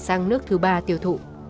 sang nước thứ ba tiêu thụ